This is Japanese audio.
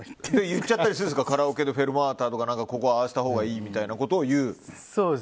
言っちゃったりするんですかカラオケでフェルマータとかここはああしたほうがいいとか言う？